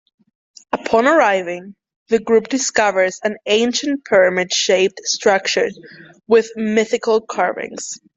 Upon arriving, the group discovers an ancient pyramid shaped structure with mystical carvings.